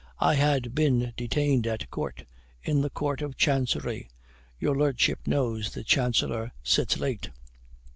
I had been detained at Court in the Court of Chancery your Lordship knows the Chancellor sits late."